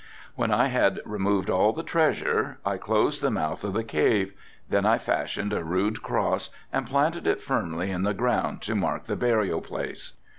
When I had removed all the treasure I closed the mouth of the cave, then I fashioned a rude cross and planted it firmly in the ground to mark the burial place.